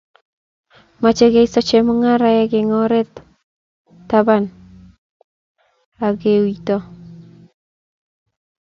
Mochei keisto chemungaraek ang or taban ak keuito